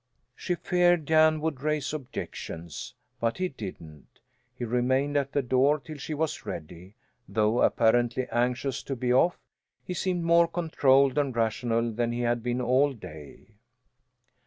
She feared Jan would raise objections, but he didn't; he remained at the door till she was ready. Though apparently anxious to be off, he seemed more controlled and rational than he had been all day.